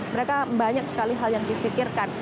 mereka banyak sekali hal yang dipikirkan